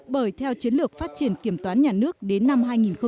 bởi theo chiến lược phát triển kiểm toán nhà nước đến năm hai nghìn hai mươi